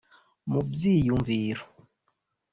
mu byiyumviro